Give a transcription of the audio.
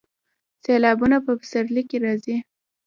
سیلابونه په پسرلي کې راځي